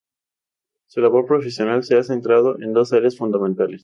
Su labor profesional se ha centrado en dos áreas fundamentales.